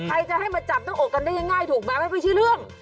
ใครจะให้มาจับหน้าอกกันได้ง่ายถูกไหมมันไม่ใช่เรื่อง